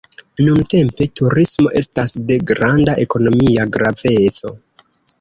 Nuntempe turismo estas de granda ekonomia graveco.